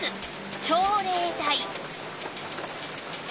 朝礼台。